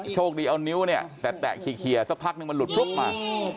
โชคดีเอานิ้วเนี่ยแตะเขียมันลุดปุ๊บมา